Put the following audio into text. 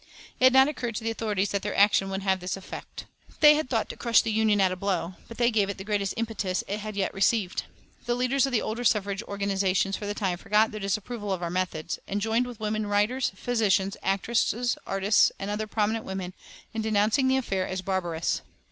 It had not occurred to the authorities that their action would have this effect. They thought to crush the Union at a blow, but they gave it the greatest impetus it had yet received. The leaders of the older suffrage organisations for the time forgot their disapproval of our methods, and joined with women writers, physicians, actresses, artists, and other prominent women in denouncing the affair as barbarous.